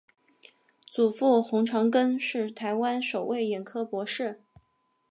祖父洪长庚是台湾首位眼科博士。